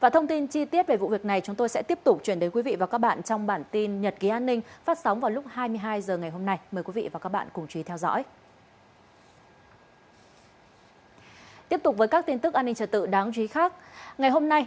thông tin chi tiết về vụ việc này chúng tôi sẽ tiếp tục chuyển đến quý vị và các bạn trong bản tin nhật ký an ninh phát sóng vào lúc hai mươi hai h ngày hôm nay mời quý vị và các bạn cùng chú ý theo dõi